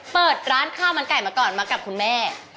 เปิดร้านข้าวมันไก่มาก่อนมากับคุณแม่